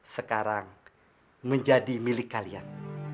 sekarang menjadi milik kalian